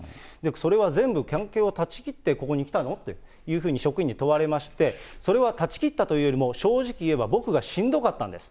それは全部関係を断ち切ってここに来たの？というふうに職員に問われまして、それは断ち切ったというよりも、正直言えば僕がしんどかったんです。